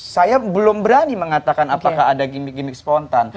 saya belum berani mengatakan apakah ada gimmick gimmick spontan